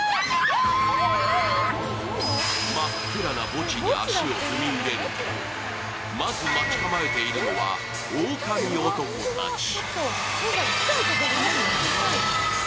真っ暗な墓地に足を踏み入れると、まず待ち受けているのは狼男たち。